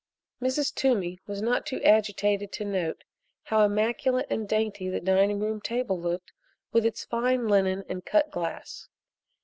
Mrs. Toomey was not too agitated to note how immaculate and dainty the dining room table looked with its fine linen and cut glass.